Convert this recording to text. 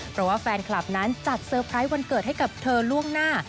เพราะว่าแฟนคลับนั้นจัดเตอร์ไพรส์วันเกิดให้กับเธอล่วงหน้า